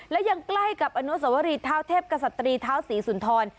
และยังใกล้กับอนุสวรีเท้าเทพกษัตรีท้าวศรีสุนทร